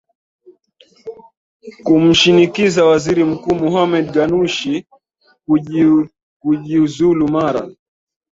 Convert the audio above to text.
kumshinikiza waziri mkuu mohamed ganushi kujiuzulu mara